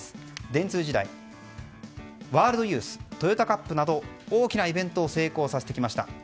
電通時代、ワールドユーストヨタカップなど大きなイベントを成功させてきました。